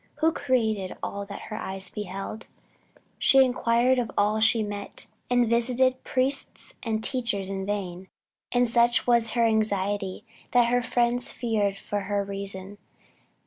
Who created all that her eyes beheld? She inquired of all she met, and visited priests and teachers in vain; and such was her anxiety, that her friends feared for her reason.